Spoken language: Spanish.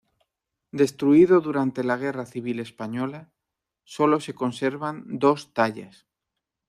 Destruido durante la guerra civil española, sólo se conservan dos tallas.